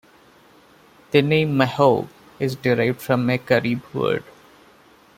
The name mahoe is derived from a Carib word.